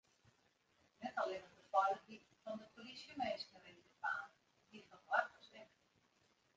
Net allinnich de feilichheid fan de polysjeminsken rint gefaar, dy fan boargers ek.